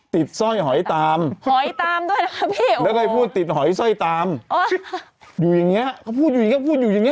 ติดสร้อยหอยตามแล้วก็พูดติดหอยสร้อยตามอยู่อย่างนี้เขาพูดอยู่อย่างนี้พูดอยู่อย่างนี้